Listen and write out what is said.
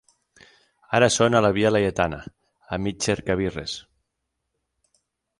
Ara són a la Via Laietana, a mig cercabirres.